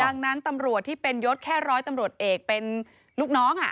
ดังนั้นตำรวจที่เป็นยศแค่ร้อยตำรวจเอกเป็นลูกน้อง